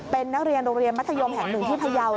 เป็นนักเรียนโรงเรียนมัธยมแห่งหนึ่งที่พยาว